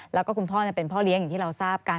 แล้วก็คุณพ่อเป็นพ่อเลี้ยงอย่างที่เราทราบกัน